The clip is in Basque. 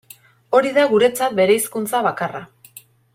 Ori da guretzat bereizkuntza bakarra.